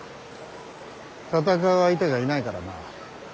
戦う相手がいないからな。